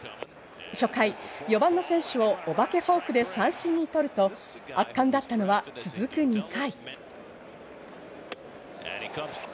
初回４番の選手をおばけフォークで三振にとると圧巻だったのは続く２回。